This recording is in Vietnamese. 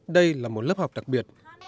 đây là một lớp học đặc biệt